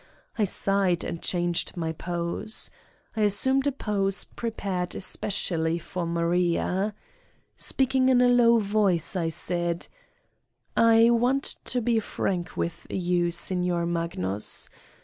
I sighed and changed my pose. I assumed a pose prepared 61 Satan's Diary especially for Maria. Speaking in a low voice, I said : "I want to be frank with you, Signor Magnus.